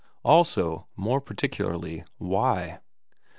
Also, more particularly, why.